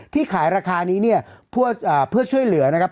ขายราคานี้เนี่ยเพื่อช่วยเหลือนะครับ